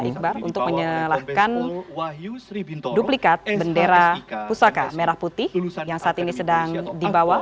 iqbal untuk menyalahkan duplikat bendera pusaka merah putih yang saat ini sedang dibawa